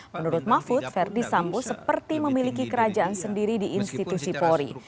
menurut mahfud verdi sambo seperti memiliki kerajaan sendiri di institusi polri